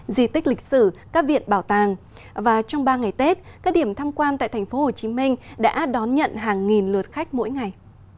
di tích lịch sử các viện bảo tàng và trong ba ngày tết các điểm tham quan tại tp hcm đã đón nhận hàng nghìn lượt khách mỗi ngày